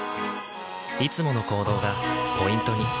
いつもの行動がポイントに。